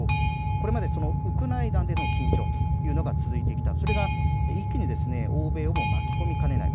これまでウクライナでの緊張が続いてきた、それが一気に欧米を巻き込みかねない